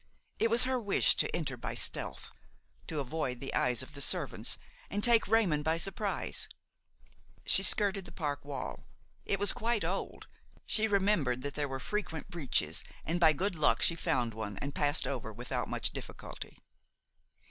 It was her wish to enter by stealth, to avoid the eyes of the servants and take Raymon by surprise. She skirted the park wall. It was quite old; she remembered that there were frequent breaches, and, by good luck, she found one and passed over without much difficulty.